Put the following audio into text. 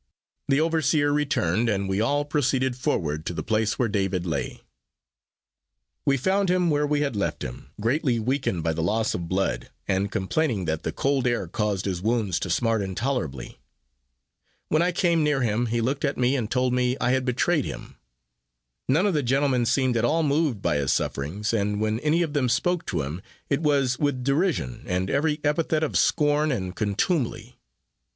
The overseer returned, and we all proceeded forward to the place where David lay. We found him where we had left him, greatly weakened by the loss of blood, and complaining that the cold air caused his wounds to smart intolerably. When I came near him, he looked at me and told me I had betrayed him. None of the gentlemen seemed at all moved by his sufferings, and when any of them spoke to him it was with derision, and every epithet of scorn and contumely.